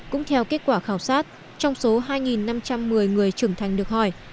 cũng theo kết quả khảo sát trong số hai năm trăm một mươi người trưởng thành được hỏi